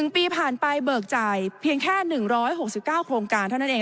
๑ปีผ่านไปเบิกจ่ายเพียงแค่๑๖๙โครงการเท่านั้นเอง